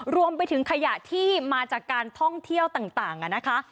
รวมไปถึงขยะที่มาจากการท่องเที่ยวต่างนะคะ